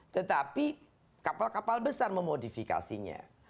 tetapi kapal kapal besar memodifikasinya